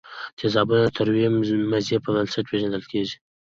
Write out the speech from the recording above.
تیزابونه د تروې مزې په بنسټ پیژندل کیږي.